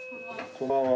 こんばんは。